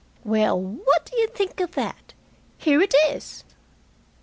Well, what d'you think of that! Here it is!"